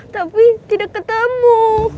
tapi tidak ketemu